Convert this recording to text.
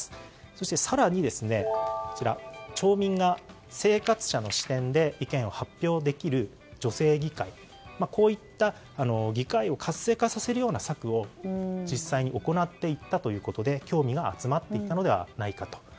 そして更に町民が生活者の視点で意見を発表できる女性議会といった議会を活性化させるような策を実際行っていったということで興味が集まっていったのではないかと。